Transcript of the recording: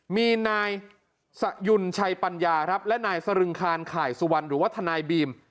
มีนายสยุนชัยปัญญาครับและนายสรึงคารข่ายสุวรรณหรือว่าทนายบีม